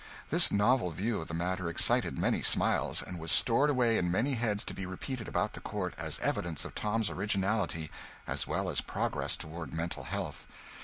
This novel view of the matter excited many smiles, and was stored away in many heads to be repeated about the Court as evidence of Tom's originality as well as progress toward mental health.